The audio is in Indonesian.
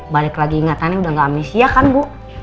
balik lagi ingetannya udah gak amnesia kan bu